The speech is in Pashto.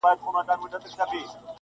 پلار یې وښوروی سر و یې خندله,